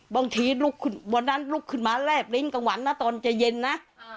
บางทีบนนั้นลุกขึ้นมาแร่บลิ้นกลางวันนะตอนเจียงเย็นนะ